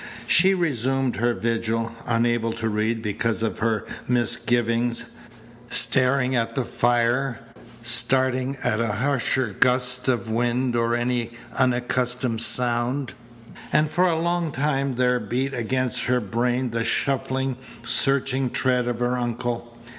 She resumed her vigil, unable to read because of her misgivings, staring at the fire, starting at a harsher gust of wind or any unaccustomed sound. And for a long time there beat against her brain the shuffling, searching tread of her uncle.